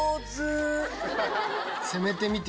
・攻めてみて。